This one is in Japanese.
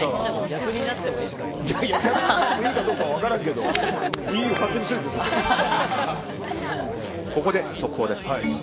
逆になってもいいかどうかはここで、速報です。